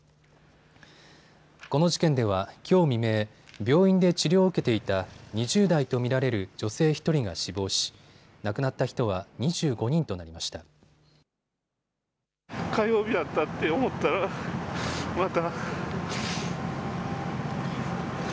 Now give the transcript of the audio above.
この事件ではきょう未明、病院で治療を受けていた２０代と見られる女性１人が死亡し亡くなった人は２５人となりました。